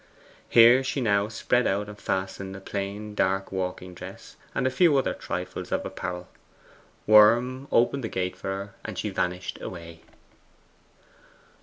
Here she now spread out and fastened a plain dark walking dress and a few other trifles of apparel. Worm opened the gate for her, and she vanished away.